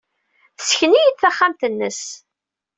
Tessken-iyi-d taxxamt-nnes.